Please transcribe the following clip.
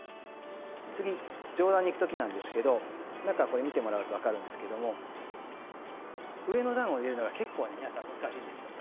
次上段にいく時なんですけど中これ見てもらうと分かるんですけども上の段を入れるのが結構ね皆さん難しいんですよ。